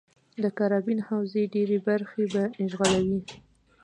د کارابین حوزې ډېرې برخې به اشغالوي.